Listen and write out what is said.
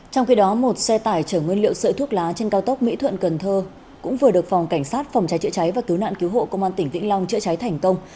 trong khi đó một xe tải chở nguyên liệu sợi thuốc lá trên cao tốc mỹ thuận cần thơ cũng vừa được phòng cảnh sát phòng cháy chữa cháy và cứu nạn cứu hộ công an tỉnh vĩnh long chữa cháy thành công